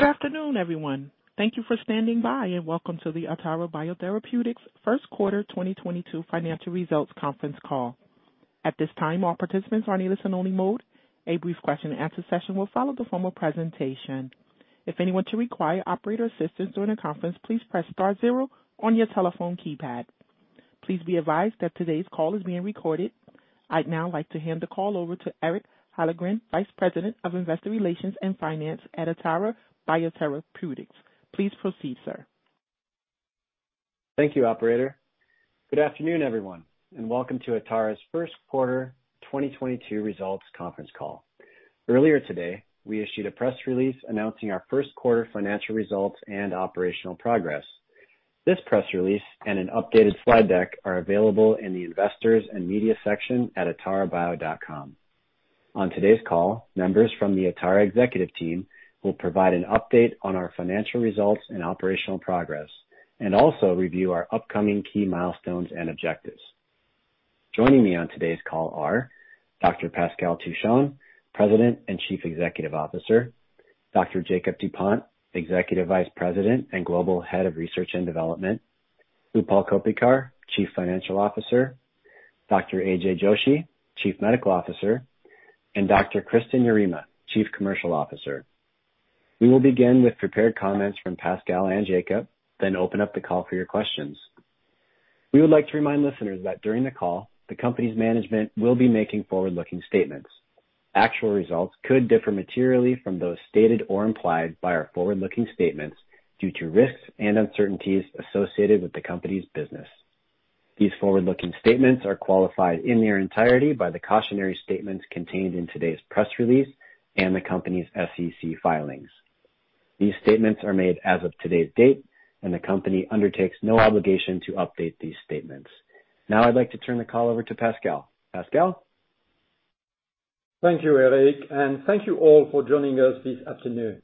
Good afternoon, everyone. Thank you for standing by, and welcome to the Atara Biotherapeutics first quarter 2022 financial results conference call. At this time, all participants are in a listen only mode. A brief question and answer session will follow the formal presentation. If anyone should require operator assistance during the conference, please press star zero on your telephone keypad. Please be advised that today's call is being recorded. I'd now like to hand the call over to Eric Hyllengren, Vice President, Investor Relations & Finance at Atara Biotherapeutics. Please proceed, sir. Thank you, operator. Good afternoon, everyone, and welcome to Atara's first quarter 2022 results conference call. Earlier today, we issued a press release announcing our first quarter financial results and operational progress. This press release and an updated slide deck are available in the investors and media section at atarabio.com. On today's call, members from the Atara executive team will provide an update on our financial results and operational progress, and also review our upcoming key milestones and objectives. Joining me on today's call are Dr. Pascal Touchon, President and Chief Executive Officer, Dr. Jakob Dupont, Executive Vice President and Global Head of Research and Development, Utpal Koppikar, Chief Financial Officer, Dr. A.J. Joshi, Chief Medical Officer, and Dr. Kristin Yarema, Chief Commercial Officer. We will begin with prepared comments from Pascal and Jakob, then open up the call for your questions. We would like to remind listeners that during the call, the company's management will be making forward-looking statements. Actual results could differ materially from those stated or implied by our forward-looking statements due to risks and uncertainties associated with the company's business. These forward-looking statements are qualified in their entirety by the cautionary statements contained in today's press release and the company's SEC filings. These statements are made as of today's date, and the company undertakes no obligation to update these statements. Now I'd like to turn the call over to Pascal. Pascal. Thank you, Eric, and thank you all for joining us this afternoon.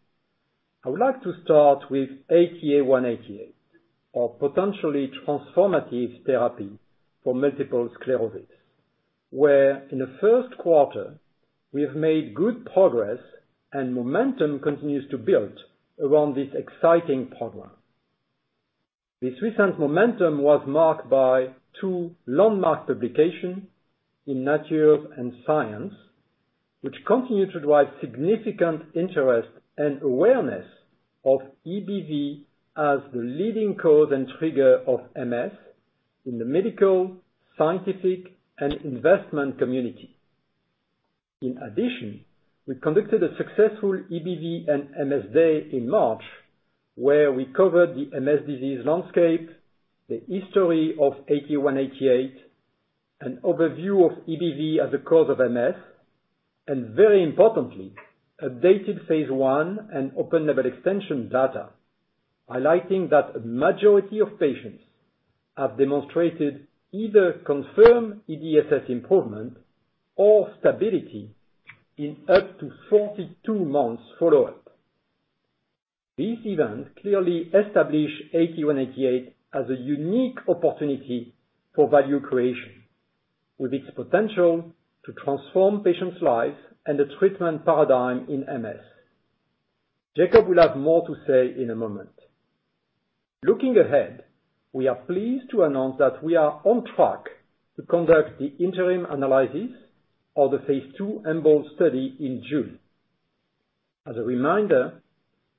I would like to start with ATA188, our potentially transformative therapy for multiple sclerosis, where in the first quarter we have made good progress and momentum continues to build around this exciting program. This recent momentum was marked by two landmark publications in Nature and Science, which continue to drive significant interest and awareness of EBV as the leading cause and trigger of MS in the medical, scientific, and investment community. In addition, we conducted a successful EBV and MS day in March, where we covered the MS disease landscape, the history of ATA188, an overview of EBV as a cause of MS, and very importantly, updated phase I and open label extension data, highlighting that a majority of patients have demonstrated either confirmed EDSS improvement or stability in up to 42 months follow-up. This event clearly established ATA188 as a unique opportunity for value creation with its potential to transform patients' lives and the treatment paradigm in MS. Jakob will have more to say in a moment. Looking ahead, we are pleased to announce that we are on track to conduct the interim analysis of the Phase II EMBOLD study in June. As a reminder,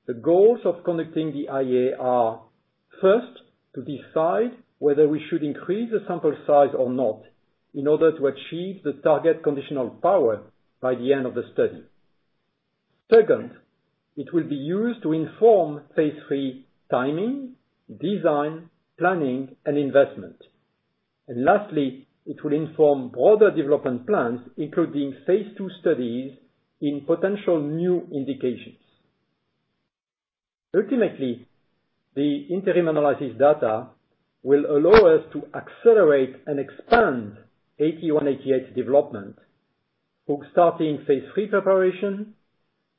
the goals of conducting the IA are first, to decide whether we should increase the sample size or not in order to achieve the target conditional power by the end of the study. Second, it will be used to inform phase III timing, design, planning, and investment. Lastly, it will inform broader development plans, including phase II studies in potential new indications. Ultimately, the interim analysis data will allow us to accelerate and expand ATA188 development, both starting phase III preparation,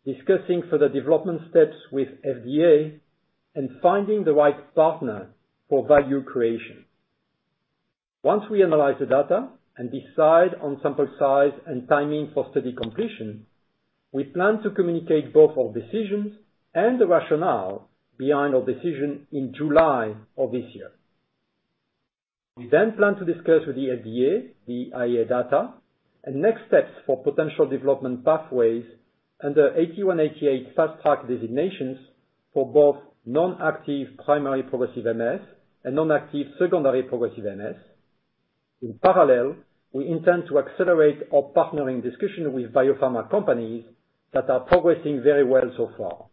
discussing further development steps with FDA, and finding the right partner for value creation. Once we analyze the data and decide on sample size and timing for study completion, we plan to communicate both our decisions and the rationale behind our decision in July of this year. We then plan to discuss with the FDA the IA data and next steps for potential development pathways under ATA188 fast track designations for both non-active primary progressive MS and non-active secondary progressive MS. In parallel, we intend to accelerate our partnering discussion with biopharma companies that are progressing very well so far.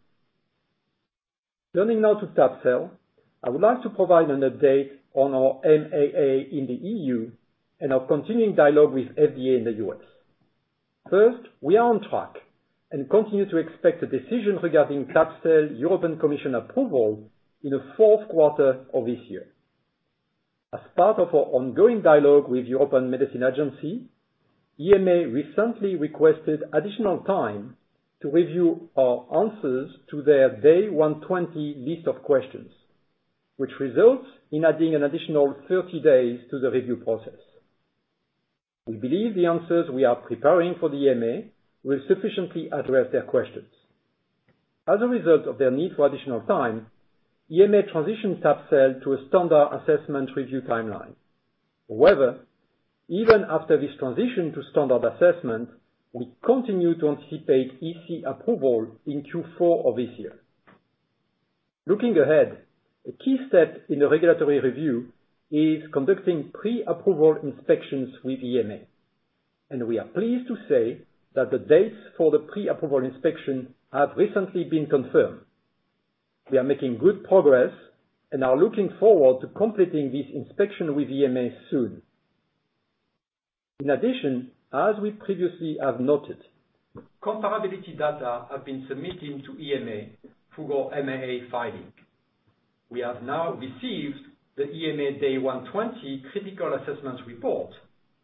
Turning now to tab-cel, I would like to provide an update on our MAA in the EU and our continuing dialogue with FDA in the U.S. First, we are on track and continue to expect a decision regarding tab-cel European Commission approval in the fourth quarter of this year. As part of our ongoing dialogue with European Medicines Agency, EMA recently requested additional time to review our answers to their Day 120 list of questions, which results in adding an additional 30 days to the review process. We believe the answers we are preparing for the EMA will sufficiently address their questions. As a result of their need for additional time, EMA transitioned tab-cel to a standard assessment review timeline. However, even after this transition to standard assessment, we continue to anticipate EC approval in Q4 of this year. Looking ahead, a key step in the regulatory review is conducting pre-approval inspections with EMA, and we are pleased to say that the dates for the pre-approval inspection have recently been confirmed. We are making good progress and are looking forward to completing this inspection with EMA soon. In addition, as we previously have noted, comparability data have been submitted to EMA through our MAA filing. We have now received the EMA Day 120 critical assessments report,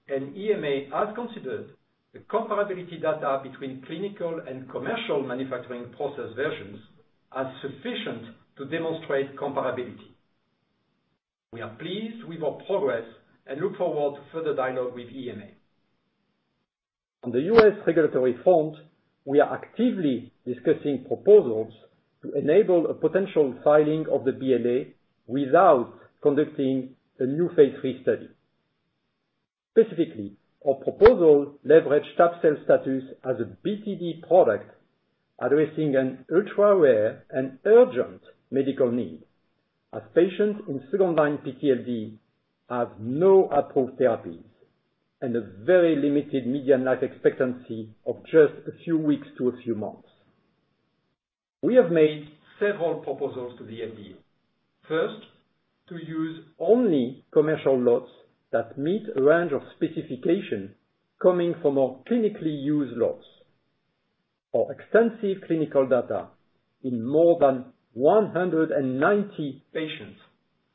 and EMA has considered the comparability data between clinical and commercial manufacturing process versions as sufficient to demonstrate comparability. We are pleased with our progress and look forward to further dialogue with EMA. On the US regulatory front, we are actively discussing proposals to enable a potential filing of the BLA without conducting a new phase III study. Specifically, our proposal leverages tab-cel status as a BTD product, addressing an ultra-rare and urgent medical need, as patients in second-line PTLD have no approved therapies and a very limited median life expectancy of just a few weeks to a few months. We have made several proposals to the FDA. First, to use only commercial lots that meet a range of specifications coming from our clinically used lots. Our extensive clinical data in more than 190 patients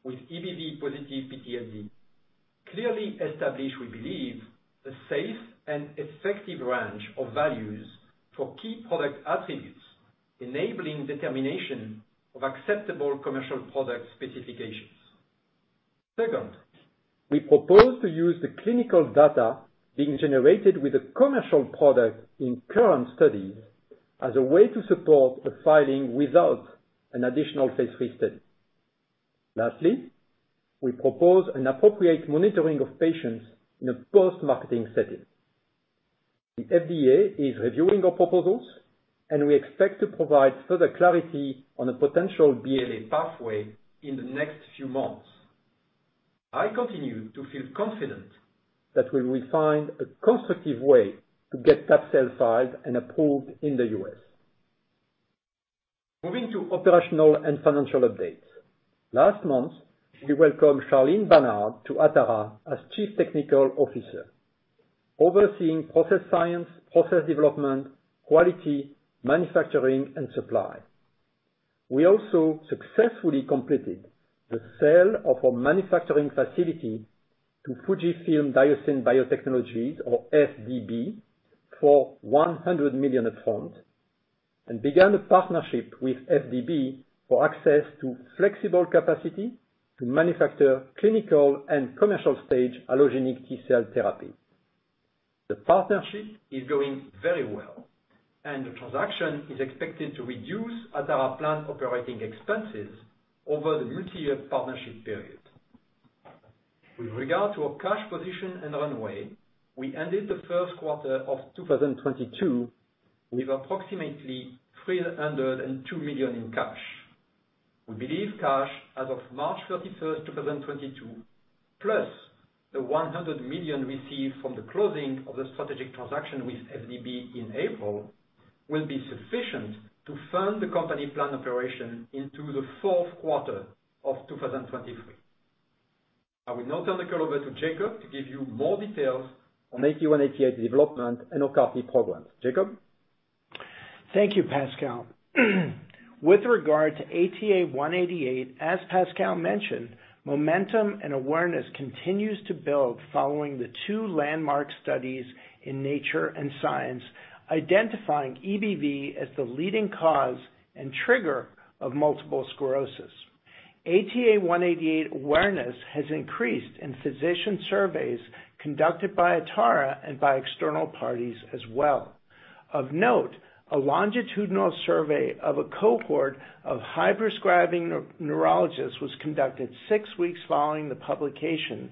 with EBV positive PTLD clearly establish, we believe, a safe and effective range of values for key product attributes, enabling determination of acceptable commercial product specifications. Second, we propose to use the clinical data being generated with the commercial product in current studies as a way to support a filing without an additional phase III study. Lastly, we propose an appropriate monitoring of patients in a post-marketing setting. The FDA is reviewing our proposals, and we expect to provide further clarity on a potential BLA pathway in the next few months. I continue to feel confident that we will find a constructive way to get tab-cel filed and approved in the U.S. Moving to operational and financial updates. Last month, we welcomed Charlene Barnard to Atara as Chief Technical Officer, overseeing process science, process development, quality, manufacturing and supply. We also successfully completed the sale of our manufacturing facility to FUJIFILM Diosynth Biotechnologies or FDB for $100 million upfront, and began a partnership with FDB for access to flexible capacity to manufacture clinical and commercial stage allogeneic T-cell therapy. The partnership is going very well, and the transaction is expected to reduce Atara plant operating expenses over the multi-year partnership period. With regard to our cash position and runway, we ended the first quarter of 2022 with approximately $302 million in cash. We believe cash as of March 31st, 2022, plus the $100 million received from the closing of the strategic transaction with FDB in April, will be sufficient to fund the company's planned operations into the fourth quarter of 2023. I will now turn the call over to Jakob to give you more details on ATA188 development and our CAR-T programs. Jakob? Thank you, Pascal. With regard to ATA188, as Pascal mentioned, momentum and awareness continues to build following the two landmark studies in Nature and Science, identifying EBV as the leading cause and trigger of multiple sclerosis. ATA188 awareness has increased in physician surveys conducted by Atara and by external parties as well. Of note, a longitudinal survey of a cohort of high-prescribing neurologists was conducted six weeks following the publication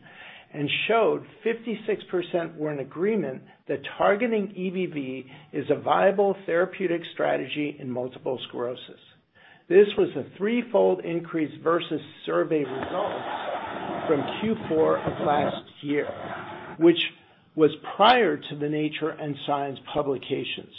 and showed 56% were in agreement that targeting EBV is a viable therapeutic strategy in multiple sclerosis. This was a threefold increase versus survey results from Q4 of last year, which was prior to the Nature and Science publications.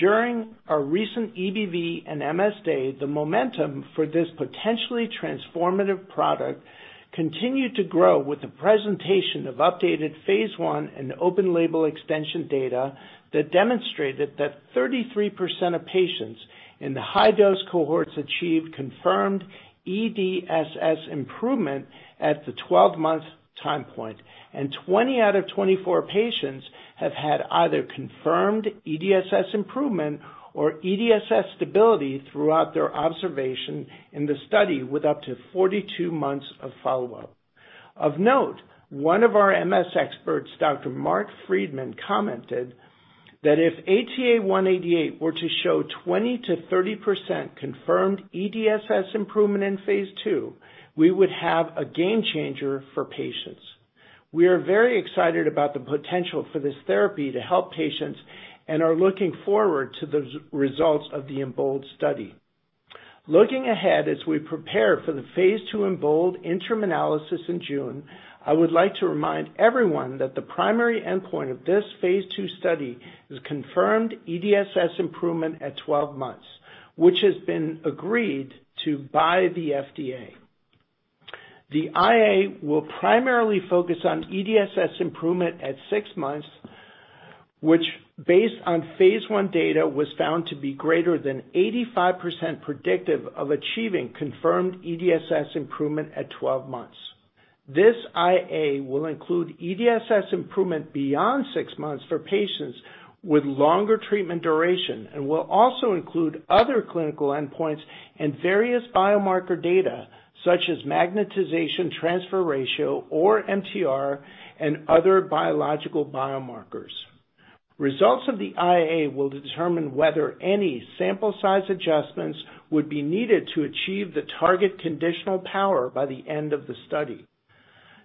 During our recent EBV and MS Day, the momentum for this potentially transformative product continued to grow with the presentation of updated phase I and open label extension data that demonstrated that 33% of patients in the high-dose cohorts achieved confirmed EDSS improvement at the 12-month time point. 20 out of 24 patients have had either confirmed EDSS improvement or EDSS stability throughout their observation in the study, with up to 42 months of follow-up. Of note, one of our MS experts, Dr. Mark Freedman, commented that if ATA188 were to show 20%-30% confirmed EDSS improvement in phase II, we would have a game changer for patients. We are very excited about the potential for this therapy to help patients and are looking forward to those results of the EMBOLD study. Looking ahead as we prepare for the Phase II EMBOLD interim analysis in June, I would like to remind everyone that the primary endpoint of this phase II study is confirmed EDSS improvement at 12 months, which has been agreed to by the FDA. The IA will primarily focus on EDSS improvement at six months, which based on phase I data, was found to be greater than 85% predictive of achieving confirmed EDSS improvement at 12 months. This IA will include EDSS improvement beyond 6 months for patients with longer treatment duration and will also include other clinical endpoints and various biomarker data such as magnetization transfer ratio, or MTR, and other biological biomarkers. Results of the IA will determine whether any sample size adjustments would be needed to achieve the target conditional power by the end of the study.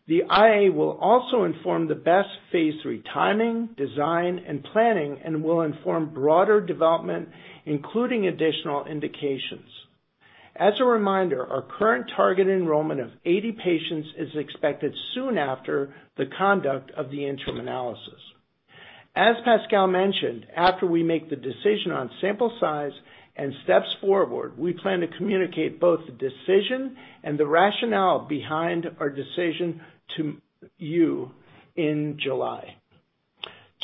The IA will also inform the best phase III timing, design, and planning and will inform broader development, including additional indications. As a reminder, our current target enrollment of 80 patients is expected soon after the conduct of the interim analysis. As Pascal mentioned, after we make the decision on sample size and steps forward, we plan to communicate both the decision and the rationale behind our decision to you in July.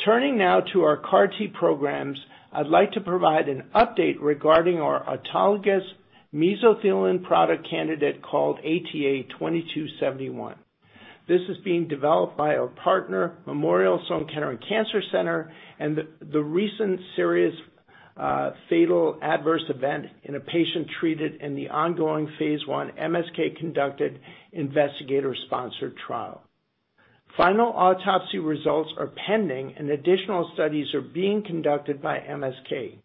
Turning now to our CAR-T programs, I'd like to provide an update regarding our autologous mesothelin product candidate called ATA2271. This is being developed by our partner, Memorial Sloan Kettering Cancer Center, and the recent serious fatal adverse event in a patient treated in the ongoing phase I MSK-conducted investigator-sponsored trial. Final autopsy results are pending, and additional studies are being conducted by MSK.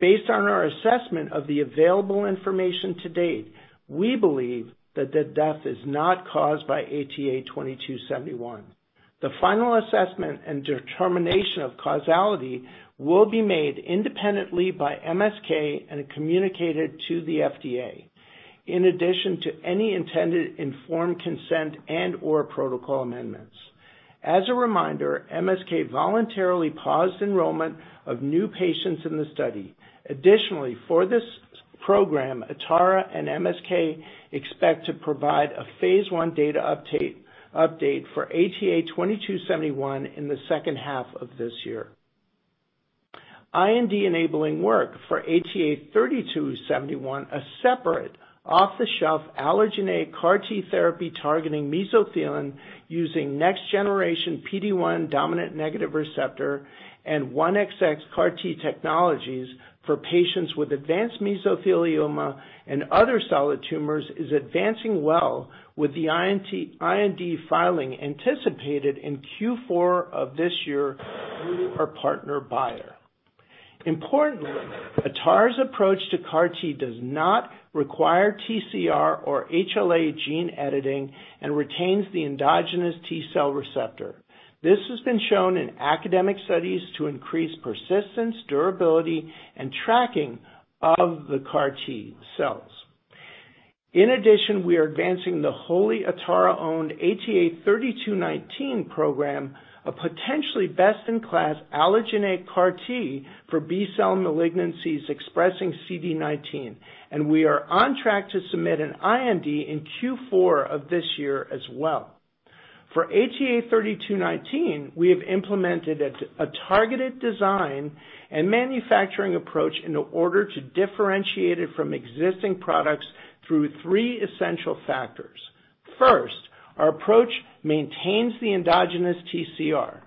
Based on our assessment of the available information to date, we believe that the death is not caused by ATA2271. The final assessment and determination of causality will be made independently by MSK and communicated to the FDA, in addition to any intended informed consent and/or protocol amendments. As a reminder, MSK voluntarily paused enrollment of new patients in the study. Additionally, for this program, Atara and MSK expect to provide a phase I data update for ATA2271 in the second half of this year. IND-enabling work for ATA3271, a separate off-the-shelf allogeneic CAR-T therapy targeting mesothelin using next-generation PD-1 dominant negative receptor and 1XX CAR-T technologies for patients with advanced mesothelioma and other solid tumors, is advancing well with the IND filing anticipated in Q4 of this year through our partner Bayer. Importantly, Atara's approach to CAR-T does not require TCR or HLA gene editing and retains the endogenous T-cell receptor. This has been shown in academic studies to increase persistence, durability, and tracking of the CAR-T cells. In addition, we are advancing the wholly Atara-owned ATA3219 program, a potentially best-in-class allogeneic CAR-T for B-cell malignancies expressing CD19, and we are on track to submit an IND in Q4 of this year as well. For ATA3219, we have implemented a targeted design and manufacturing approach in order to differentiate it from existing products through three essential factors. First, our approach maintains the endogenous TCR.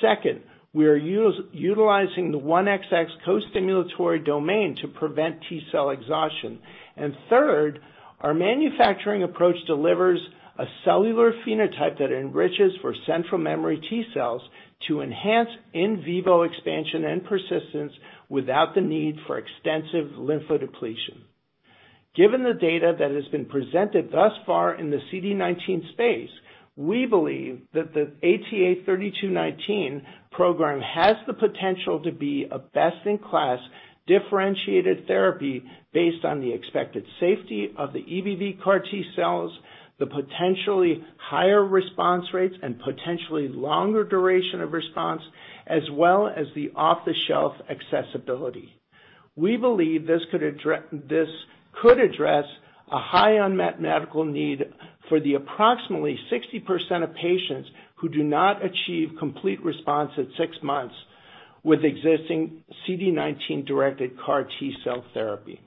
Second, we are utilizing the 1XX co-stimulatory domain to prevent T-cell exhaustion. Third, our manufacturing approach delivers a cellular phenotype that enriches for central memory T-cells to enhance in vivo expansion and persistence without the need for extensive lymphodepletion. Given the data that has been presented thus far in the CD19 space, we believe that the ATA3219 program has the potential to be a best-in-class differentiated therapy based on the expected safety of the EBV CAR-T cells, the potentially higher response rates, and potentially longer duration of response, as well as the off-the-shelf accessibility. We believe this could address a high unmet medical need for the approximately 60% of patients who do not achieve complete response at six months with existing CD19-directed CAR T-cell therapy.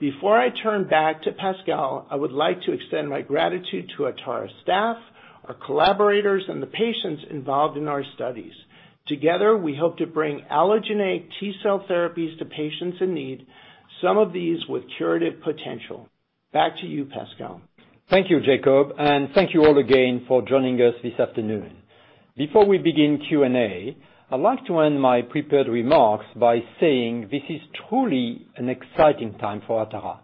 Before I turn back to Pascal, I would like to extend my gratitude to Atara staff, our collaborators, and the patients involved in our studies. Together, we hope to bring allogeneic T-cell therapies to patients in need, some of these with curative potential. Back to you, Pascal. Thank you, Jakob, and thank you all again for joining us this afternoon. Before we begin Q&A, I'd like to end my prepared remarks by saying this is truly an exciting time for Atara.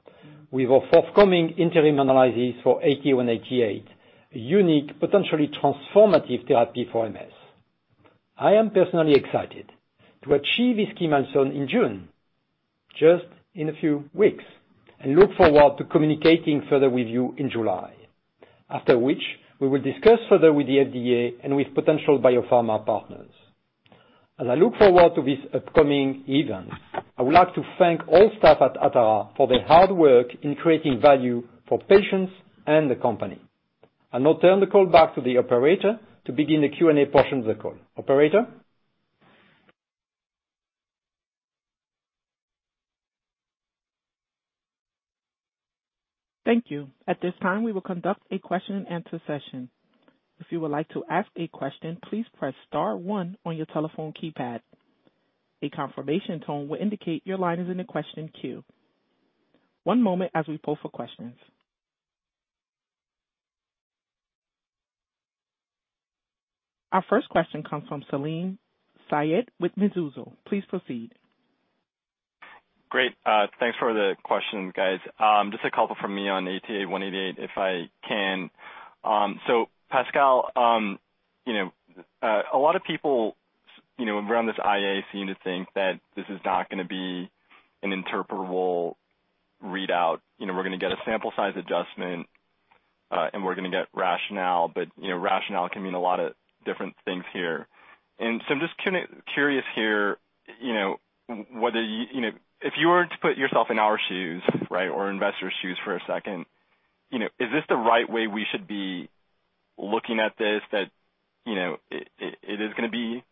With our forthcoming interim analysis for ATA188, a unique, potentially transformative therapy for MS. I am personally excited to achieve this key milestone in June, just in a few weeks, and look forward to communicating further with you in July. After which, we will discuss further with the FDA and with potential biopharma partners. As I look forward to this upcoming event, I would like to thank all staff at Atara for their hard work in creating value for patients and the company. I'll now turn the call back to the operator to begin the Q&A portion of the call. Operator? Thank you. At this time, we will conduct a question and answer session. If you would like to ask a question, please press star one on your telephone keypad. A confirmation tone will indicate your line is in the question queue. One moment as we poll for questions. Our first question comes from Salim Syed with Mizuho. Please proceed. Great. Thanks for the questions, guys. Just a couple from me on ATA188, if I can. So Pascal, you know, a lot of people, you know, around this IA seem to think that this is not gonna be an interpretable readout. You know, we're gonna get a sample size adjustment, and we're gonna get rationale, but, you know, rationale can mean a lot of different things here. I'm just curious here, you know, whether you you know, if you were to put yourself in our shoes, right, or investors' shoes for a second, you know, is this the right way we should be looking at this? That, you know, it is gonna be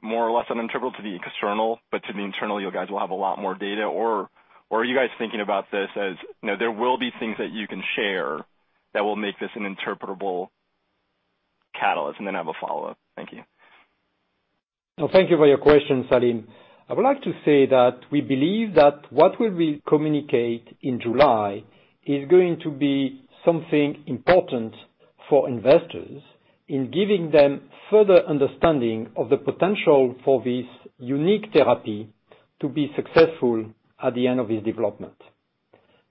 more or less uninterpretable to the external, but to the internal, you guys will have a lot more data? Are you guys thinking about this as, you know, there will be things that you can share that will make this an interpretable catalyst? I have a follow-up. Thank you. Thank you for your question, Salim. I would like to say that we believe that what we will communicate in July is going to be something important for investors in giving them further understanding of the potential for this unique therapy to be successful at the end of this development.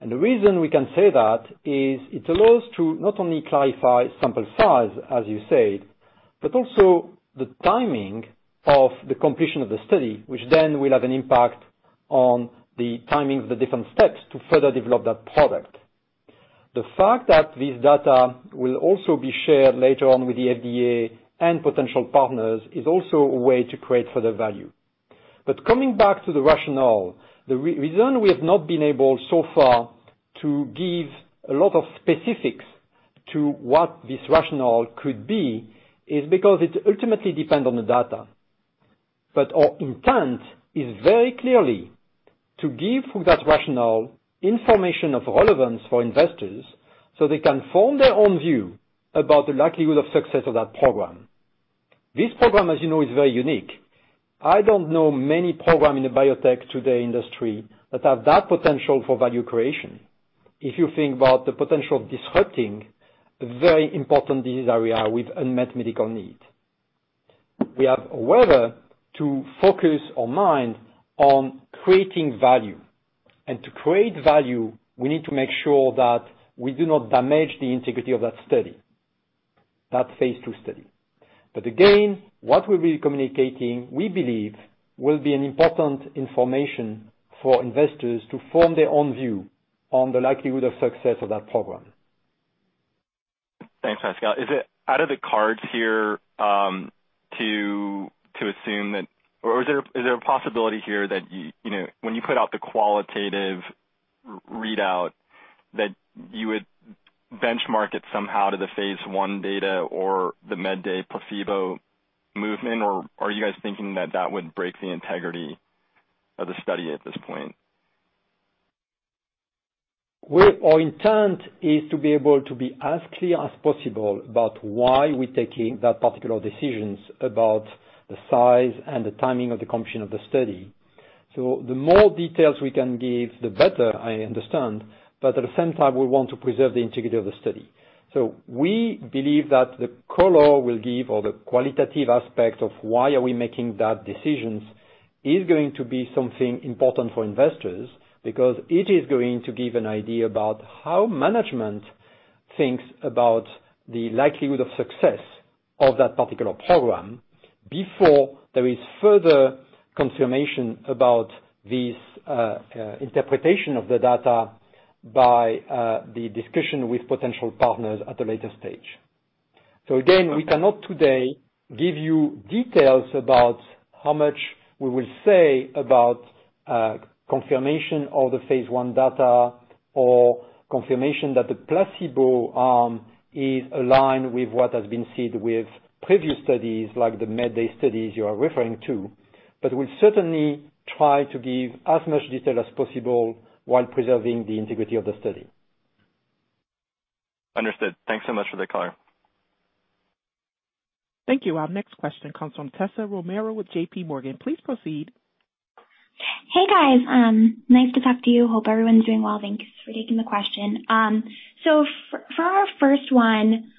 The reason we can say that is it allows to not only clarify sample size, as you said, but also the timing of the completion of the study, which then will have an impact on the timing of the different steps to further develop that product. The fact that this data will also be shared later on with the FDA and potential partners is also a way to create further value. Coming back to the rationale, the reason we have not been able so far to give a lot of specifics to what this rationale could be is because it ultimately depends on the data. Our intent is very clearly to give, through that rationale, information of relevance for investors, so they can form their own view about the likelihood of success of that program. This program, as you know, is very unique. I don't know many program in the biotech today industry that have that potential for value creation. If you think about the potential of disrupting a very important disease area with unmet medical need. We have a way to focus our mind on creating value. To create value, we need to make sure that we do not damage the integrity of that study, that phase II study. What we'll be communicating, we believe, will be an important information for investors to form their own view on the likelihood of success of that program. Thanks, Pascal. Is it out of the cards here to assume that or is there a possibility here that you know, when you put out the qualitative readout that you would benchmark it somehow to the phase I data or the MedDay placebo movement? Or are you guys thinking that that would break the integrity of the study at this point? Our intent is to be able to be as clear as possible about why we're taking that particular decisions about the size and the timing of the completion of the study. The more details we can give, the better, I understand, but at the same time, we want to preserve the integrity of the study. We believe that the color will give or the qualitative aspect of why are we making that decisions is going to be something important for investors because it is going to give an idea about how management thinks about the likelihood of success of that particular program before there is further confirmation about this interpretation of the data by the discussion with potential partners at a later stage. Again, we cannot today give you details about how much we will say about confirmation of the phase I data or confirmation that the placebo arm is aligned with what has been seen with previous studies like the MedDay studies you are referring to. We'll certainly try to give as much detail as possible while preserving the integrity of the study. Understood. Thanks so much for the color. Thank you. Our next question comes from Tessa Romero with JPMorgan. Please proceed. Hey, guys. Nice to talk to you. Hope everyone's doing well. Thanks for taking the question. So for our first one,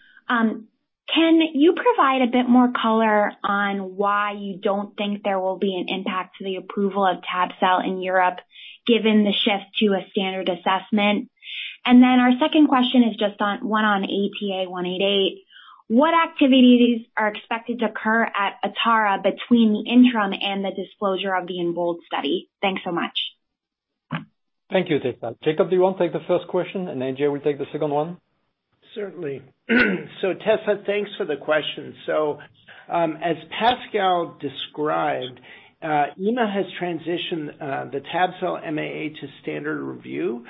can you provide a bit more color on why you don't think there will be an impact to the approval of tab-cel in Europe, given the shift to a standard assessment? Then our second question is just one on ATA188. What activities are expected to occur at Atara between the interim and the disclosure of the EMBOLD study? Thanks so much. Thank you, Tessa. Jakob, do you want to take the first question and then A.J. will take the second one? Certainly. Tessa, thanks for the question. As Pascal described, EMA has transitioned the tab-cel MAA to standard review.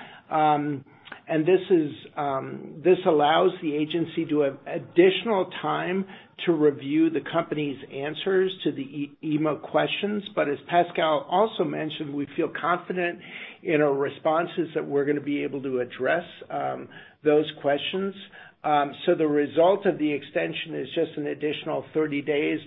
This allows the agency to have additional time to review the company's answers to the EMA questions. As Pascal also mentioned, we feel confident in our responses that we're gonna be able to address those questions. The result of the extension is just an additional 30 days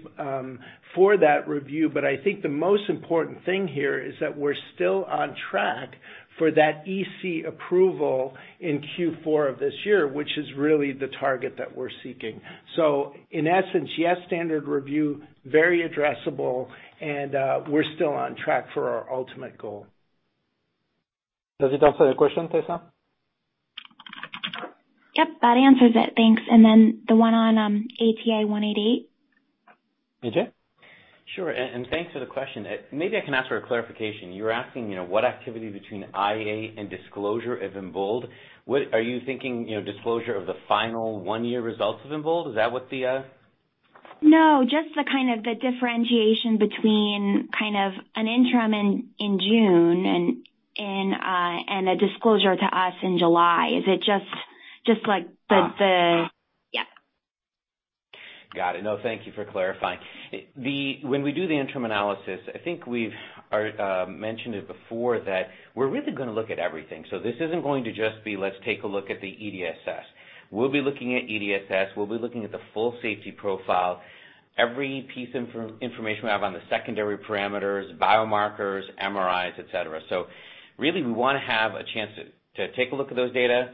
for that review. I think the most important thing here is that we're still on track for that EC approval in Q4 of this year, which is really the target that we're seeking. In essence, yes, standard review, very addressable and we're still on track for our ultimate goal. Does it answer your question, Tessa? Yep, that answers it. Thanks. The one on ATA188. A.J.? Sure. Thanks for the question. Maybe I can ask for a clarification. You're asking, you know, what activity between IA and disclosure of EMBOLD. Are you thinking, you know, disclosure of the final one-year results of EMBOLD? Is that what the No, just the kind of differentiation between kind of an interim in June and a disclosure to us in July. Is it just like the? Ah. Yeah. Got it. No, thank you for clarifying. When we do the interim analysis, I think we've mentioned it before that we're really gonna look at everything. This isn't going to just be, let's take a look at the EDSS. We'll be looking at EDSS. We'll be looking at the full safety profile, every piece of information we have on the secondary parameters, biomarkers, MRIs, et cetera. Really we wanna have a chance to take a look at those data,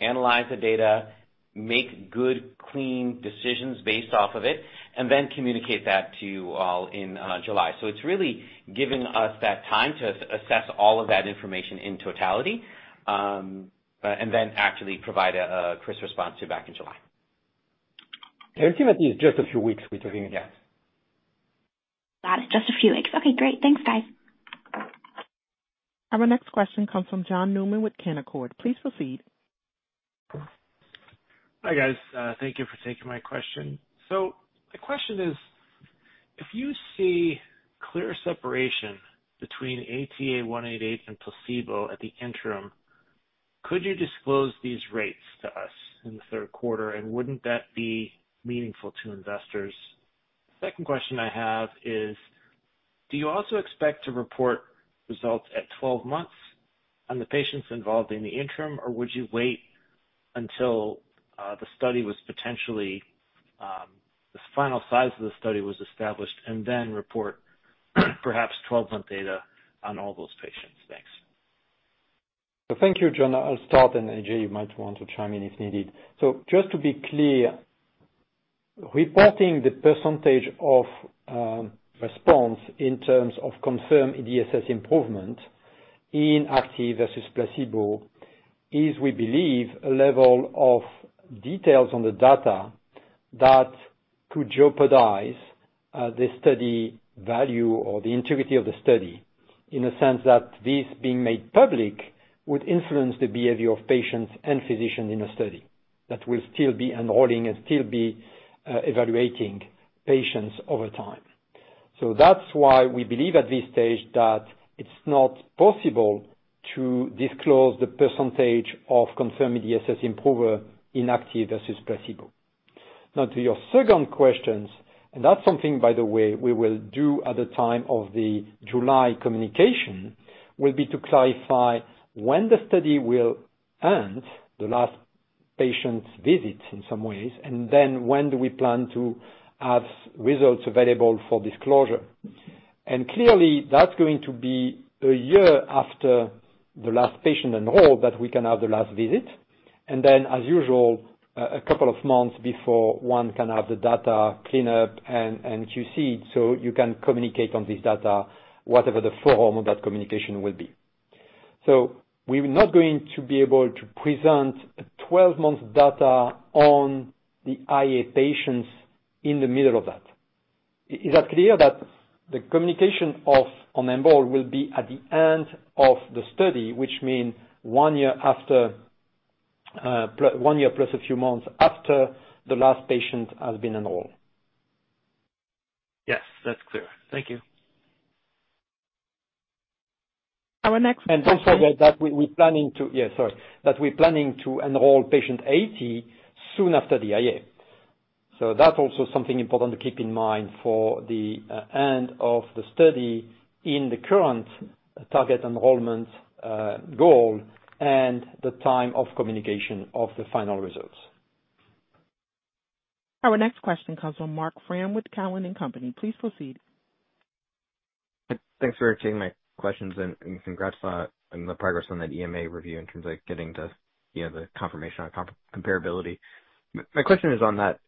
analyze the data, make good clean decisions based off of it, and then communicate that to you all in July. It's really given us that time to assess all of that information in totality, and then actually provide a crisp response to you back in July. The interim is just a few weeks between. Yes. Got it. Just a few weeks. Okay, great. Thanks, guys. Our next question comes from John Newman with Canaccord. Please proceed. Hi, guys. Thank you for taking my question. The question is, if you see clear separation between ATA188 and placebo at the interim, could you disclose these rates to us in the third quarter, and wouldn't that be meaningful to investors? Second question I have is, do you also expect to report results at 12 months on the patients involved in the interim, or would you wait until the final size of the study was established and then report perhaps 12-month data on all those patients? Thanks. Thank you, John. I'll start, and A.J., you might want to chime in if needed. Just to be clear, reporting the percentage of response in terms of confirmed EDSS improvement in active versus placebo is we believe a level of details on the data that could jeopardize the study value or the integrity of the study, in a sense that this being made public would influence the behavior of patients and physicians in a study that will still be enrolling and still be evaluating patients over time. That's why we believe at this stage that it's not possible to disclose the percentage of confirmed EDSS improver in active versus placebo. Now to your second questions, and that's something, by the way, we will do at the time of the July communication, will be to clarify when the study will end, the last patient visit in some ways, and then when do we plan to have results available for disclosure. Clearly, that's going to be a year after the last patient enrolled that we can have the last visit. Then as usual, a couple of months before one can have the data clean up and QC'd so you can communicate on this data, whatever the form of that communication will be. We're not going to be able to present 12-month data on the IA patients in the middle of that. Is that clear that the communication of on EMBOLD will be at the end of the study, which mean one year after one year plus a few months after the last patient has been enrolled? Yes, that's clear. Thank you. Our next question. We're planning to enroll patient 80 soon after the IA. That's also something important to keep in mind for the end of the study in the current target enrollment goal and the time of communication of the final results. Our next question comes from Marc Frahm with Cowen and Company. Please proceed. Thanks for taking my questions, and congrats on the progress on that EMA review in terms of getting the, you know, the confirmation on comparability. My question is on that.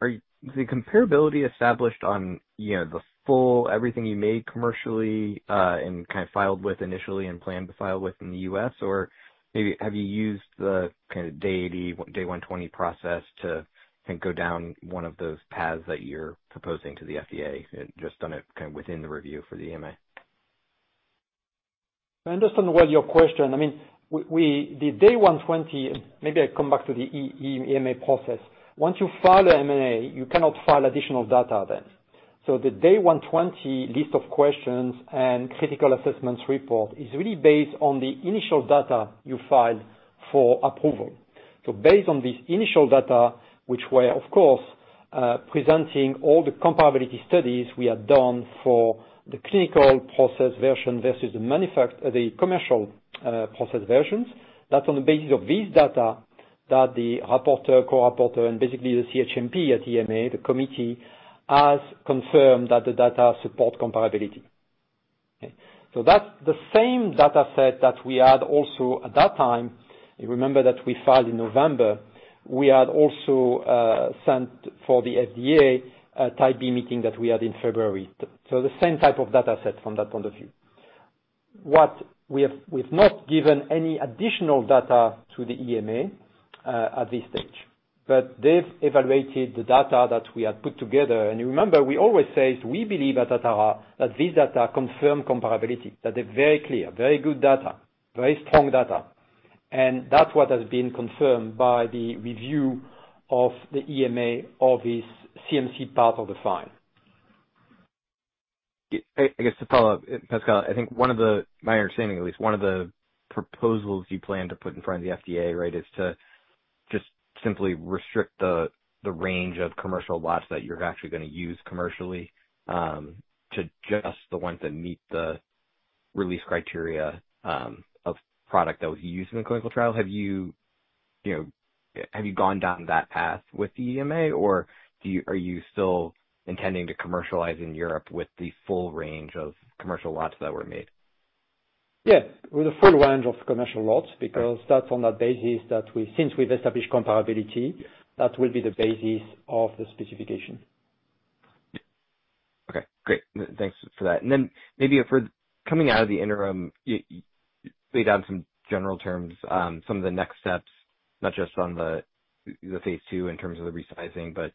Are the comparability established on, you know, the full everything you made commercially, and kind of filed with initially and plan to file with in the U.S.? Or maybe have you used the kind of Day 80, Day 120 process to kind of go down one of those paths that you're proposing to the FDA and just done it kind of within the review for the EMA? I understand well your question. I mean, the Day 120. Maybe I come back to the EMA process. Once you file EMA, you cannot file additional data then. The Day 120 list of questions and critical assessments report is really based on the initial data you filed for approval. Based on this initial data, which were of course presenting all the comparability studies we had done for the clinical process version versus the commercial process versions. That's on the basis of this data that the reporter, co-reporter, and basically the CHMP at EMA, the committee, has confirmed that the data support comparability. Okay. That's the same data set that we had also at that time. You remember that we filed in November. We had also sent for the FDA a Type B meeting that we had in February. The same type of data set from that point of view. What we have. We've not given any additional data to the EMA at this stage, but they've evaluated the data that we had put together. You remember we always say we believe at Atara that this data confirm comparability, that they're very clear, very good data, very strong data. That's what has been confirmed by the review of the EMA of this CMC part of the file. I guess to follow up, Pascal, I think one of the, my understanding at least, one of the proposals you plan to put in front of the FDA, right, is to just simply restrict the range of commercial lots that you're actually gonna use commercially to just the ones that meet the release criteria of product that was used in the clinical trial. Have you know, gone down that path with the EMA? Or are you still intending to commercialize in Europe with the full range of commercial lots that were made? Yeah, with a full range of commercial lots, because that's on the basis that we've established comparability. Yeah. That will be the basis of the specification. Okay. Great. Thanks for that. Maybe for coming out of the interim, lay out some general terms, some of the next steps, not just on the phase II in terms of the resizing, but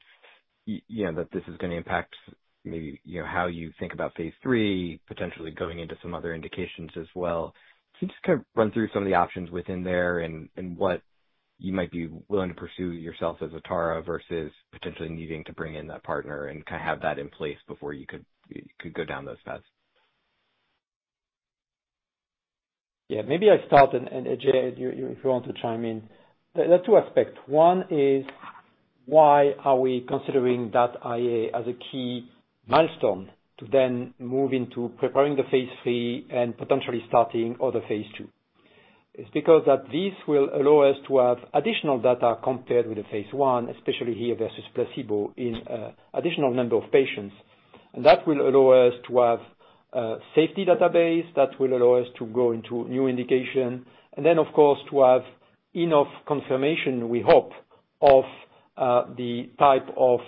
you know, that this is gonna impact maybe, you know, how you think about phase III, potentially going into some other indications as well. Can you just kind of run through some of the options within there and what you might be willing to pursue yourself as Atara versus potentially needing to bring in that partner and kind of have that in place before you could go down those paths? Yeah, maybe I start and A.J., you if you want to chime in. There are two aspects. One is why are we considering that IA as a key milestone to then move into preparing the phase III and potentially starting other phase II. It's because that this will allow us to have additional data compared with the phase I, especially here versus placebo in additional number of patients. That will allow us to have a safety database that will allow us to go into new indication, and then of course to have enough confirmation, we hope, of the type of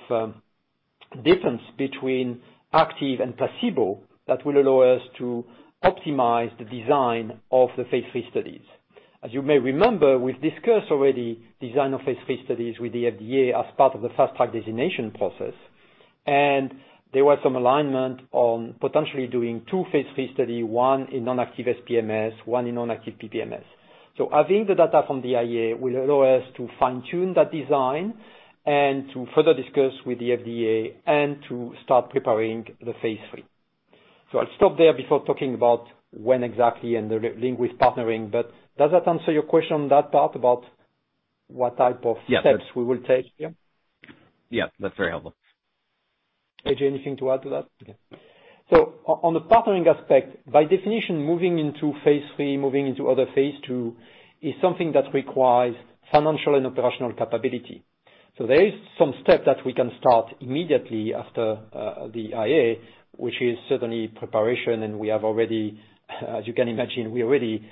difference between active and placebo that will allow us to optimize the design of the phase III studies. As you may remember, we've discussed already design of phase III studies with the FDA as part of the Fast Track designation process, and there was some alignment on potentially doing two phase III study, one in non-active SPMS, one in non-active PPMS. Having the data from the IA will allow us to fine-tune that design and to further discuss with the FDA and to start preparing the phase III. I'll stop there before talking about when exactly and the link with partnering, but does that answer your question, that part about what type of? Yes. Steps we will take? Yeah. Yeah. That's very helpful. A.J., anything to add to that? Okay. On the partnering aspect, by definition, moving into phase III, moving into other phase II is something that requires financial and operational capability. There is some step that we can start immediately after the IA, which is certainly preparation, and we have already, as you can imagine, we're already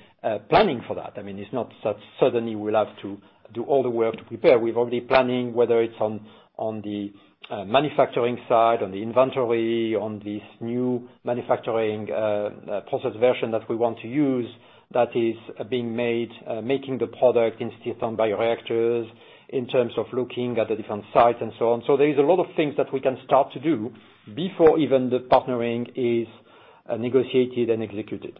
planning for that. I mean, it's not such suddenly we'll have to do all the work to prepare. We're already planning whether it's on the manufacturing side, on the inventory, on this new manufacturing process version that we want to use that is being made making the product instead of bioreactors, in terms of looking at the different sites and so on. There is a lot of things that we can start to do before even the partnering is negotiated and executed.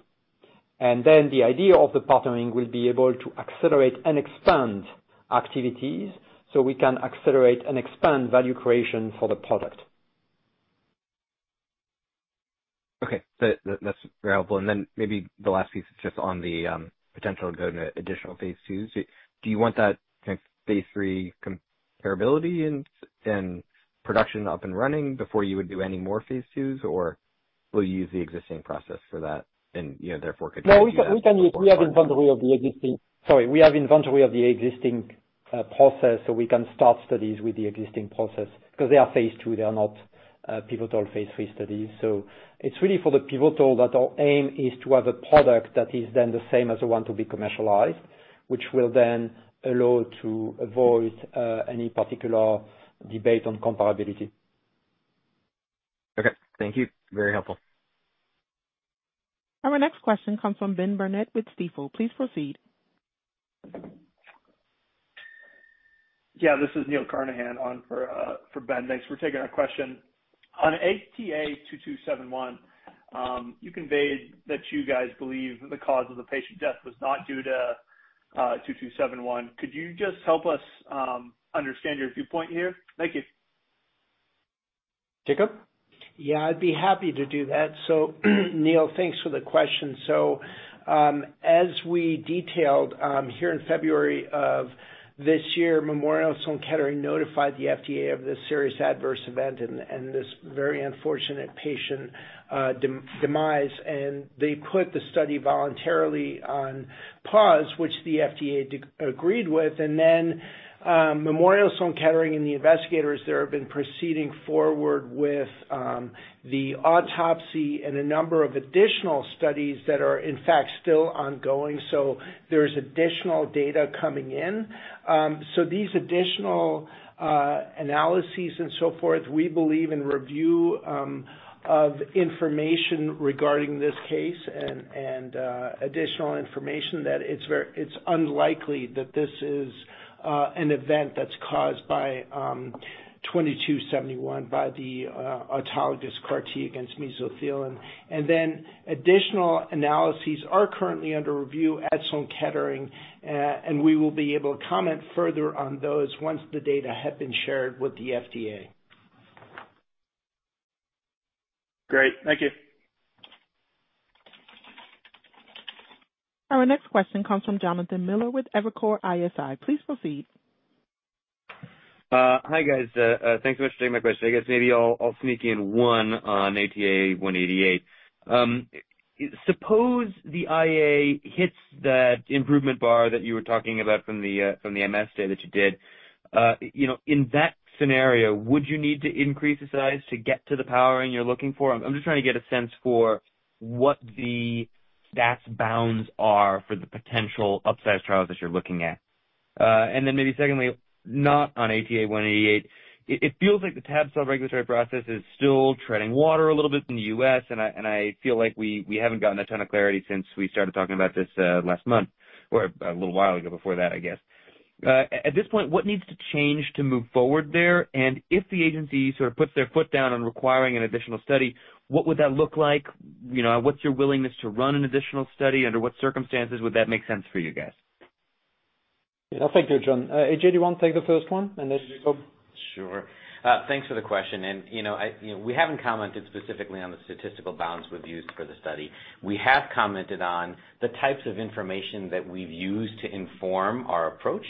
The idea of the partnering will be able to accelerate and expand activities so we can accelerate and expand value creation for the product. Okay. That's very helpful. Maybe the last piece is just on the potential to go into additional phase IIs. Do you want that kind of phase three comparability and production up and running before you would do any more phase IIs? Will you use the existing process for that and therefore could? We have inventory of the existing process, so we can start studies with the existing process 'cause they are phase II. They are not pivotal phase III studies. It's really for the pivotal that our aim is to have a product that is then the same as the one to be commercialized, which will then allow to avoid any particular debate on comparability. Okay. Thank you. Very helpful. Our next question comes from Ben Burnett with Stifel. Please proceed. Yeah, this is Neil Carnahan on for Ben. Thanks for taking our question. On ATA2271, you conveyed that you guys believe the cause of the patient death was not due to ATA2271. Could you just help us understand your viewpoint here? Thank you. Jakob? Yeah, I'd be happy to do that. Neil, thanks for the question. As we detailed here in February of this year, Memorial Sloan Kettering notified the FDA of this serious adverse event and this very unfortunate patient demise. They put the study voluntarily on pause, which the FDA agreed with. Memorial Sloan Kettering and the investigators there have been proceeding forward with the autopsy and a number of additional studies that are, in fact, still ongoing. There's additional data coming in. These additional analyses and so forth, we believe in review of information regarding this case and additional information that it's unlikely that this is an event that's caused by 2271 by the autologous CAR T against mesothelin. Additional analyses are currently under review at Sloan Kettering. We will be able to comment further on those once the data have been shared with the FDA. Great. Thank you. Our next question comes from Jonathan Miller with Evercore ISI. Please proceed. Hi, guys. Thanks so much for taking my question. I guess maybe I'll sneak in one on ATA188. Suppose the IA hits that improvement bar that you were talking about from the MS data that you did. You know, in that scenario, would you need to increase the size to get to the powering you're looking for? I'm just trying to get a sense for what the stats bounds are for the potential upside trials that you're looking at. Maybe secondly, not on ATA188, it feels like the tab-cel regulatory process is still treading water a little bit in the U.S., and I feel like we haven't gotten a ton of clarity since we started talking about this last month or a little while ago before that, I guess. At this point, what needs to change to move forward there? If the agency sort of puts their foot down on requiring an additional study, what would that look like? You know, what's your willingness to run an additional study? Under what circumstances would that make sense for you guys? Yeah, thank you, John. A.J., do you wanna take the first one, and then Jakob? Sure. Thanks for the question. You know, we haven't commented specifically on the statistical bounds we've used for the study. We have commented on the types of information that we've used to inform our approach.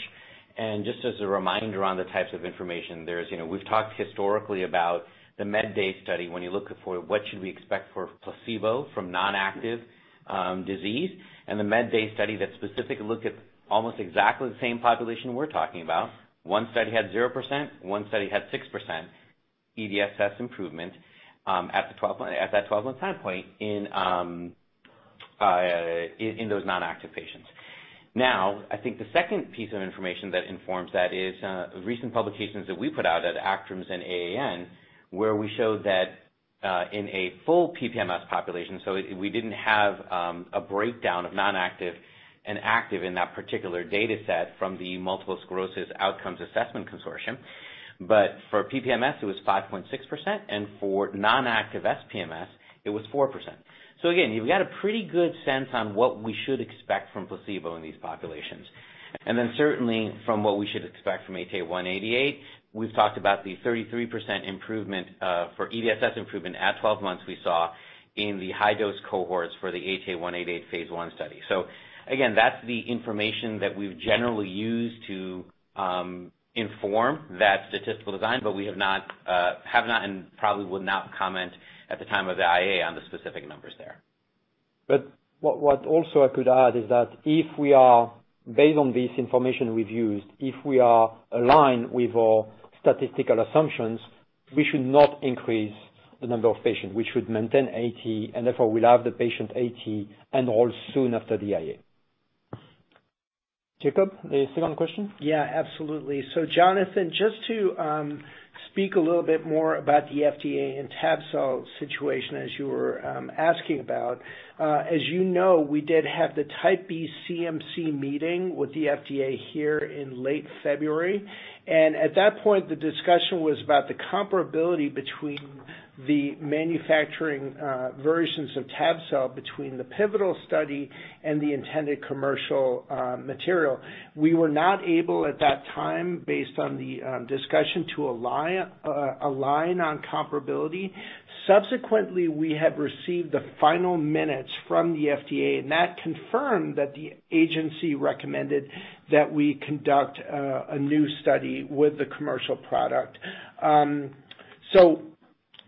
Just as a reminder on the types of information, you know, we've talked historically about the MedDay study when you look for what should we expect for placebo from non-active disease and the MedDay study that specifically looked at almost exactly the same population we're talking about. One study had 0%, one study had 6% EDSS improvement at that 12-month time point in those non-active patients. I think the second piece of information that informs that is recent publications that we put out at ACTRIMS and AAN, where we showed that in a full PPMS population, so we didn't have a breakdown of non-active and active in that particular dataset from the Multiple Sclerosis Outcomes Assessment Consortium. For PPMS, it was 5.6%, and for non-active SPMS, it was 4%. Again, you've got a pretty good sense on what we should expect from placebo in these populations. Certainly from what we should expect from ATA188, we've talked about the 33% improvement for EDSS improvement at 12 months we saw in the high-dose cohorts for the ATA188 phase I study. Again, that's the information that we've generally used to inform that statistical design, but we have not and probably would not comment at the time of the IA on the specific numbers there. What also I could add is that if we are, based on this information we've used, if we are aligned with our statistical assumptions, we should not increase the number of patients. We should maintain 80, and therefore we'll have the patient 80 and all soon after the IA. Jakob, anything on question? Yeah, absolutely. Jonathan, just to speak a little bit more about the FDA and tab-cel situation as you were asking about. As you know, we did have the Type B CMC meeting with the FDA here in late February. At that point, the discussion was about the comparability between the manufacturing versions of tab-cel between the pivotal study and the intended commercial material. We were not able at that time, based on the discussion, to align on comparability. Subsequently, we have received the final minutes from the FDA, and that confirmed that the agency recommended that we conduct a new study with the commercial product.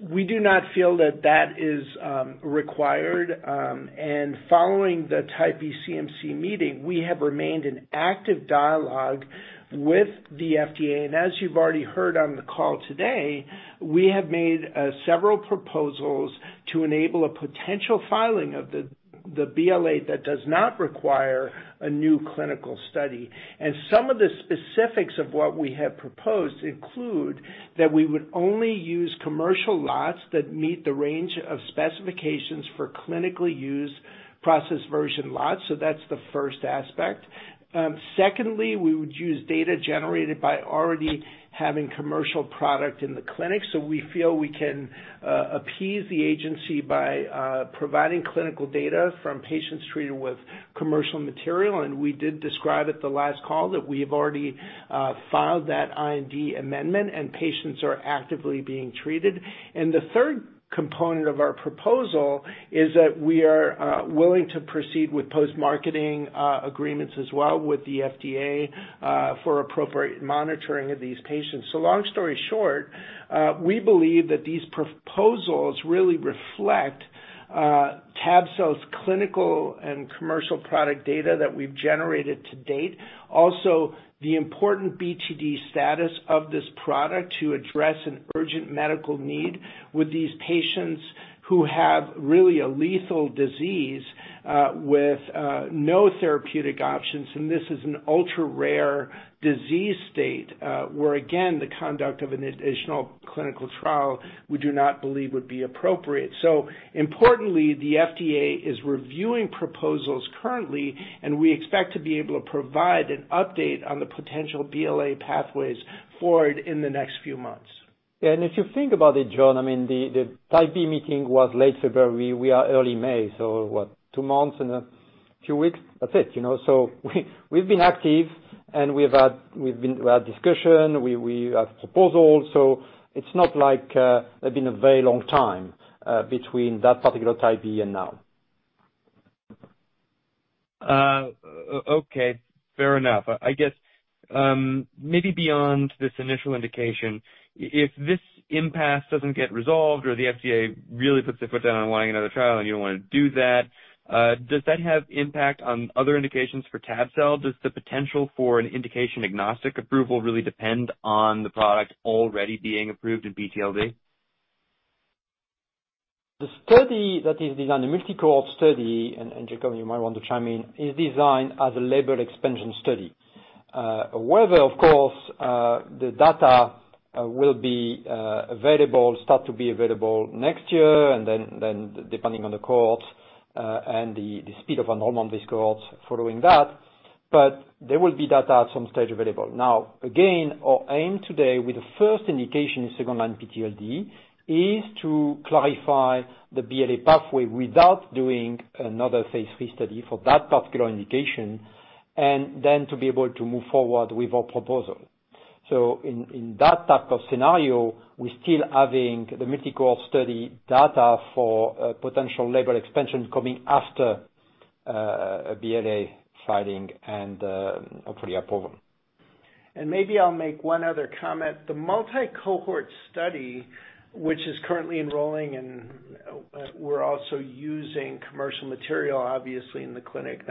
We do not feel that is required. Following the Type B CMC meeting, we have remained in active dialogue with the FDA. As you've already heard on the call today, we have made several proposals to enable a potential filing of the BLA that does not require a new clinical study. Some of the specifics of what we have proposed include that we would only use commercial lots that meet the range of specifications for clinically used process version lots. That's the first aspect. Secondly, we would use data generated by already having commercial product in the clinic. We feel we can appease the agency by providing clinical data from patients treated with commercial material. We did describe at the last call that we have already filed that IND amendment and patients are actively being treated. The third component of our proposal is that we are willing to proceed with post-marketing agreements as well with the FDA for appropriate monitoring of these patients. Long story short, we believe that these proposals really reflect tab-cel's clinical and commercial product data that we've generated to date. Also, the important BTD status of this product to address an urgent medical need with these patients who have really a lethal disease with no therapeutic options. This is an ultra-rare disease state where again, the conduct of an additional clinical trial, we do not believe would be appropriate. Importantly, the FDA is reviewing proposals currently, and we expect to be able to provide an update on the potential BLA pathways forward in the next few months. If you think about it, John, I mean, the Type B meeting was late February. We are early May, so what, two months and a few weeks, that's it, you know? We've been active and we've had, we've been, we have discussion, we have proposals. It's not like it's been a very long time between that particular Type B and now. Okay, fair enough. I guess, maybe beyond this initial indication, if this impasse doesn't get resolved or the FDA really puts their foot down on wanting another trial and you don't wanna do that, does that have impact on other indications for tab-cel? Does the potential for an indication agnostic approval really depend on the product already being approved in PTLD? The study that is designed, the multi-cohort study, Jakob, you might want to chime in, is designed as a label expansion study. Whether of course, the data will start to be available next year, and then depending on the cohorts and the speed of enrollment of these cohorts following that. There will be data at some stage available. Now, again, our aim today with the first indication in second-line PTLD is to clarify the BLA pathway without doing another phase III study for that particular indication, and then to be able to move forward with our proposal. In that type of scenario, we're still having the medical study data for a potential label expansion coming after a BLA filing and hopefully approval. Maybe I'll make one other comment. The multi-cohort study, which is currently enrolling and we're also using commercial material obviously in the clinic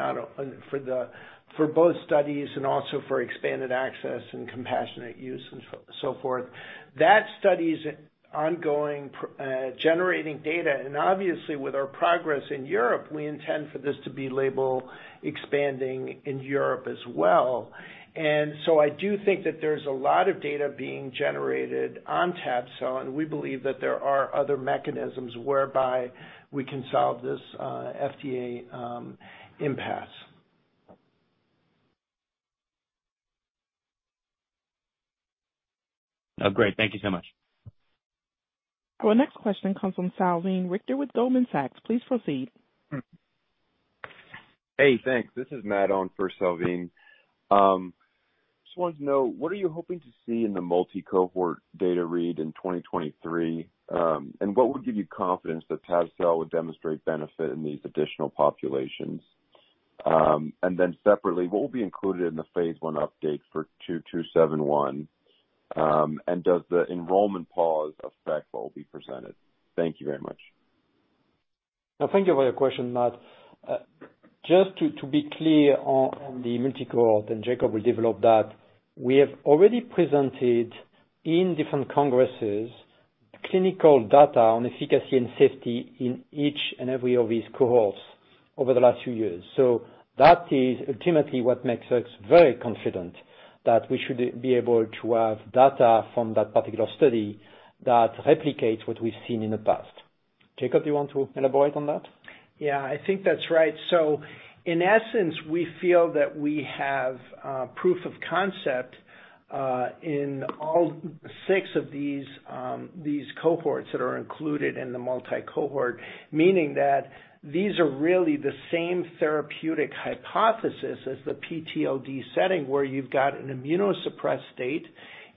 for both studies and also for expanded access and compassionate use and so forth. That study is ongoing, generating data, and obviously with our progress in Europe, we intend for this to be label expanding in Europe as well. I do think that there's a lot of data being generated on tab-cel, and we believe that there are other mechanisms whereby we can solve this FDA impasse. Oh, great. Thank you so much. Our next question comes from Salveen Richter with Goldman Sachs. Please proceed. Hey, thanks. This is Matt on for Salveen. Just wanted to know, what are you hoping to see in the multi-cohort data readout in 2023? What would give you confidence that tab-cel would demonstrate benefit in these additional populations? Separately, what will be included in the phase I update for 2271? Does the enrollment pause affect what will be presented? Thank you very much. Thank you for your question, Matt. Just to be clear on the multi-cohort, and Jakob will develop that, we have already presented in different congresses, clinical data on efficacy and safety in each and every of these cohorts over the last few years. That is ultimately what makes us very confident that we should be able to have data from that particular study that replicates what we've seen in the past. Jakob, do you want to elaborate on that? Yeah, I think that's right. In essence, we feel that we have proof of concept in all six of these cohorts that are included in the multi-cohort. Meaning that these are really the same therapeutic hypothesis as the PTLD setting, where you've got an immunosuppressed state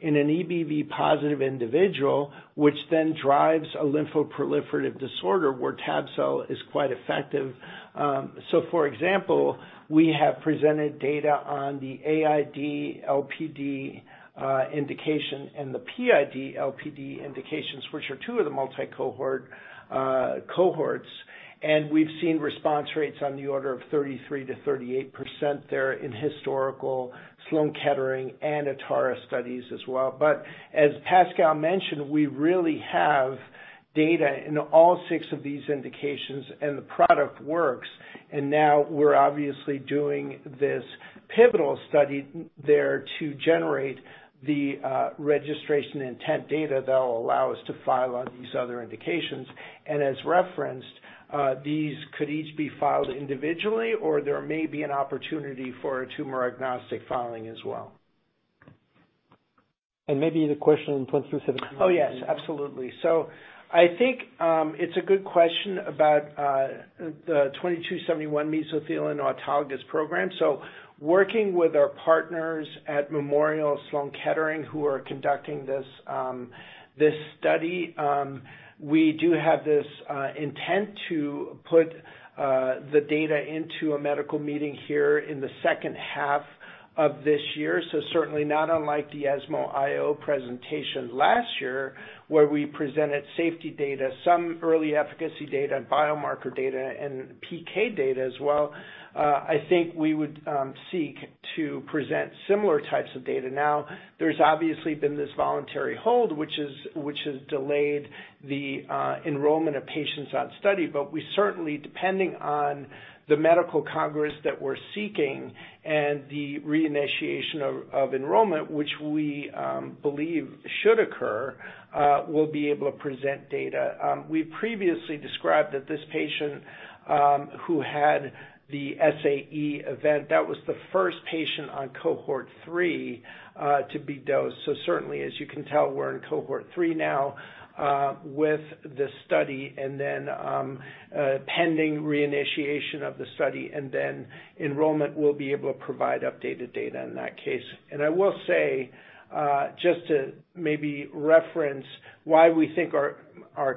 in an EBV-positive individual, which then drives a lymphoproliferative disorder where tab-cel is quite effective. For example, we have presented data on the AID-LPD indication and the PID-LPD indications, which are two of the multi-cohort cohorts. We've seen response rates on the order of 33%-38% there in historical Sloan Kettering and Atara studies as well. As Pascal mentioned, we really have data in all six of these indications, and the product works. Now we're obviously doing this pivotal study to generate the registration-enabling data that will allow us to file on these other indications. As referenced, these could each be filed individually or there may be an opportunity for a tumor-agnostic filing as well. Maybe the question puts this at. Oh, yes, absolutely. I think it's a good question about the 2271 mesothelin autologous program. Working with our partners at Memorial Sloan Kettering, who are conducting this study, we do have this intent to put the data into a medical meeting here in the second half of this year. Certainly not unlike the ESMO IO presentation last year, where we presented safety data, some early efficacy data and biomarker data and PK data as well. I think we would seek to present similar types of data. Now, there's obviously been this voluntary hold, which has delayed the enrollment of patients on study. We certainly, depending on the medical congress that we're seeking and the reinitiation of enrollment, which we believe should occur, we'll be able to present data. We previously described that this patient, who had the SAE event, that was the first patient on cohort three, to be dosed. Certainly, as you can tell, we're in cohort three now, with the study and then, pending reinitiation of the study, and then enrollment, we'll be able to provide updated data in that case. I will say, just to maybe reference why we think our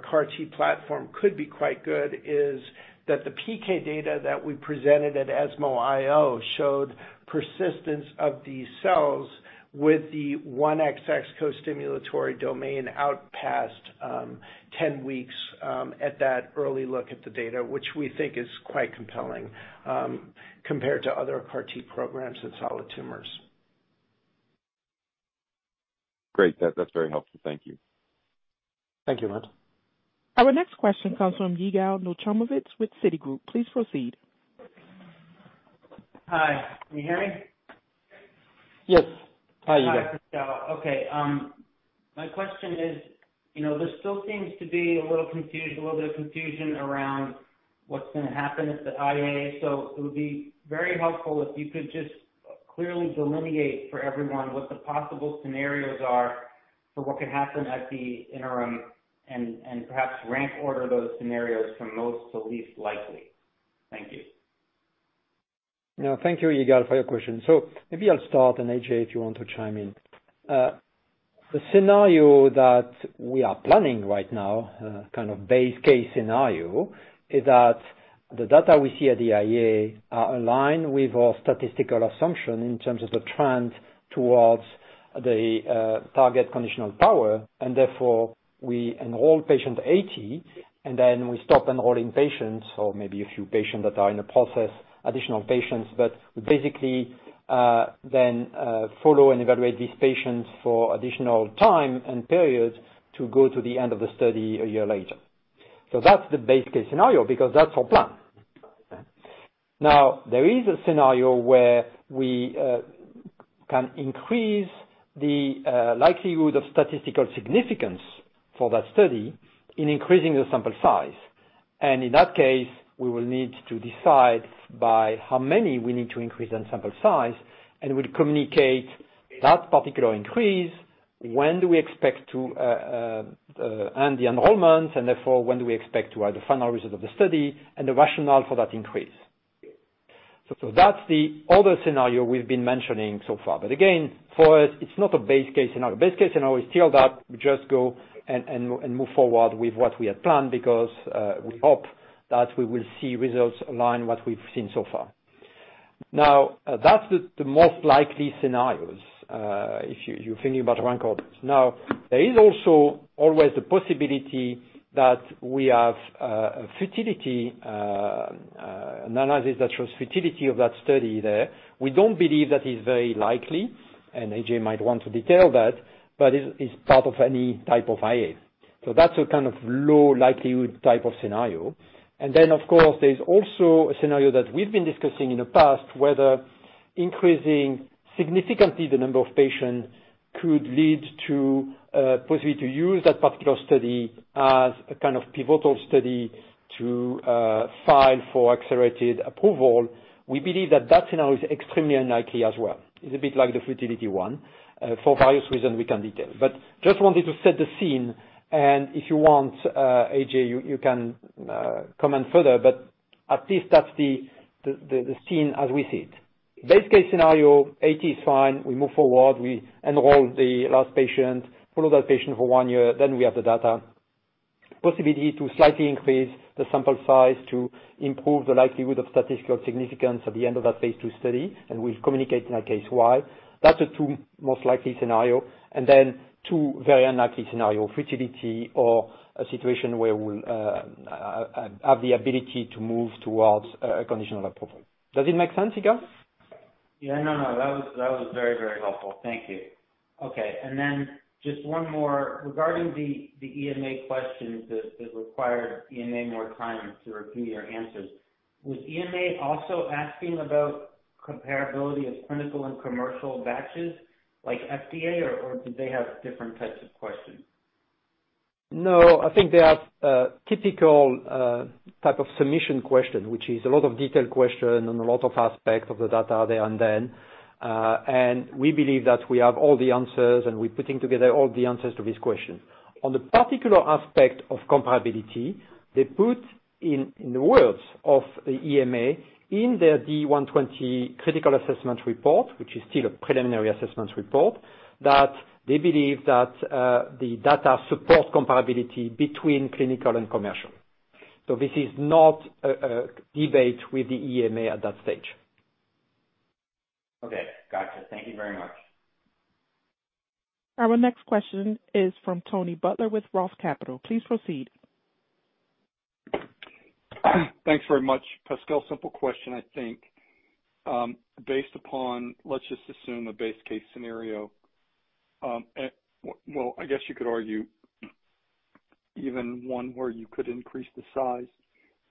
CAR T platform could be quite good is that the PK data that we presented at ESMO IO showed persistence of these cells with the 1XX co-stimulatory domain out past 10 weeks, at that early look at the data, which we think is quite compelling, compared to other CAR T programs in solid tumors. Great. That, that's very helpful. Thank you. Thank you, Matt. Our next question comes from Yigal Nochomovitz with Citigroup. Please proceed. Hi. Can you hear me? Yes. Hi, Yigal. Hi, Pascal. Okay. My question is, you know, there still seems to be a little bit of confusion around what's gonna happen at the IA. So it would be very helpful if you could just clearly delineate for everyone what the possible scenarios are for what could happen at the interim and perhaps rank order those scenarios from most to least likely. Thank you. No, thank you, Yigal, for your question. Maybe I'll start, and A.J., if you want to chime in. The scenario that we are planning right now, kind of base case scenario, is that the data we see at the IA are aligned with our statistical assumption in terms of the trend towards the target conditional power, and therefore we enroll patient 80, and then we stop enrolling patients or maybe a few patients that are in the process, additional patients. But we basically then follow and evaluate these patients for additional time and periods to go to the end of the study a year later. That's the base case scenario because that's our plan. Now, there is a scenario where we can increase the likelihood of statistical significance for that study in increasing the sample size. In that case, we will need to decide by how many we need to increase that sample size, and we'll communicate that particular increase, when do we expect to end the enrollments, and therefore, when do we expect to have the final result of the study and the rationale for that increase. That's the other scenario we've been mentioning so far. Again, for us, it's not a base case scenario. Base case scenario is still that we just go and move forward with what we had planned because we hope that we will see results align with what we've seen so far. Now, that's the most likely scenarios if you're thinking about rank orders. Now, there is also always the possibility that we have a futility analysis that shows futility of that study there. We don't believe that is very likely, and A.J. might want to detail that, but it is part of any type of IA. That's a kind of low likelihood type of scenario. Of course, there's also a scenario that we've been discussing in the past. Increasing significantly the number of patients could lead to possibly to use that particular study as a kind of pivotal study to file for accelerated approval. We believe that scenario is extremely unlikely as well. It's a bit like the futility one for various reasons we can't detail. Just wanted to set the scene, and if you want, A.J., you can comment further, but at least that's the scene as we see it. Base case scenario, 80 is fine, we move forward, we enroll the last patient, follow that patient for one year, then we have the data. Possibility to slightly increase the sample size to improve the likelihood of statistical significance at the end of that phase II study, and we'll communicate in that case why. That's the two most likely scenario. Then two very unlikely scenario, futility or a situation where we'll have the ability to move towards a conditional approval. Does it make sense, Yigal? Yeah, no. That was very helpful. Thank you. Okay, just one more. Regarding the EMA question that required EMA more time to review your answers. Was EMA also asking about comparability of clinical and commercial batches like FDA, or did they have different types of questions? No, I think they are typical type of submission question, which is a lot of detailed question and a lot of aspects of the data there and then. We believe that we have all the answers, and we're putting together all the answers to this question. On the particular aspect of comparability, they put in the words of the EMA, in their Day 120 critical assessment report, which is still a preliminary assessment report, that they believe that the data supports comparability between clinical and commercial. This is not a debate with the EMA at that stage. Okay. Gotcha. Thank you very much. Our next question is from Tony Butler with ROTH Capital. Please proceed. Thanks very much. Pascal, simple question, I think. Based upon let's just assume a base case scenario, well, I guess you could argue even one where you could increase the size.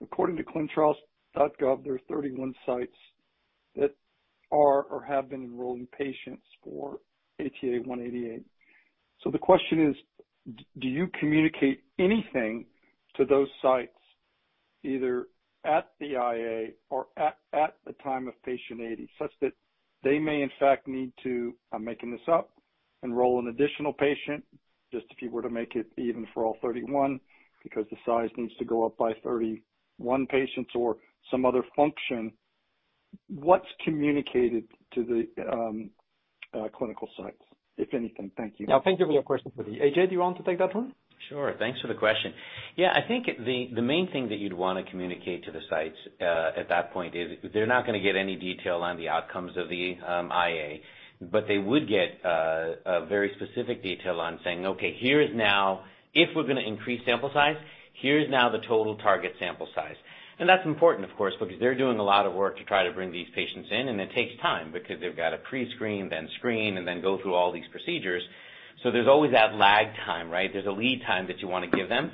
According to ClinicalTrials.gov, there are 31 sites that are or have been enrolling patients for ATA188. So the question is do you communicate anything to those sites either at the IA or at the time of patient 80, such that they may in fact need to, I'm making this up, enroll an additional patient just if you were to make it even for all 31, because the size needs to go up by 31 patients or some other function. What's communicated to the clinical sites, if anything? Thank you. Now thank you for your question. A.J., do you want to take that one? Sure. Thanks for the question. Yeah, I think the main thing that you'd wanna communicate to the sites at that point is they're not gonna get any detail on the outcomes of the IA, but they would get a very specific detail on saying, "Okay, here is now the total target sample size if we're gonna increase sample size." That's important of course, because they're doing a lot of work to try to bring these patients in, and it takes time because they've got to pre-screen, then screen, and then go through all these procedures. There's always that lag time, right? There's a lead time that you wanna give them.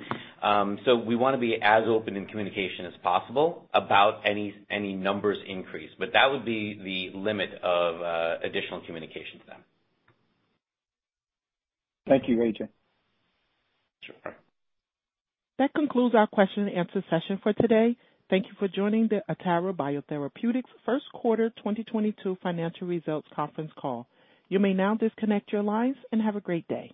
We wanna be as open in communication as possible about any numbers increase. That would be the limit of additional communication to them. Thank you, A.J. Sure. That concludes our question and answer session for today. Thank you for joining the Atara Biotherapeutics first quarter 2022 financial results conference call. You may now disconnect your lines and have a great day.